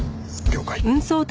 了解。